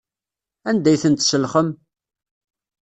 Anda ay ten-tselxem?